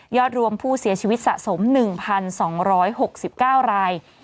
รวมผู้เสียชีวิตสะสม๑๒๖๙ราย